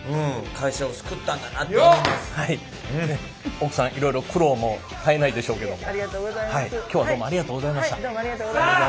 奥さんいろいろ苦労も絶えないでしょうけども今日はどうもありがとうございました。